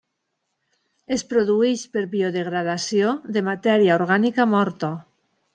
Es produeix per biodegradació de matèria orgànica morta.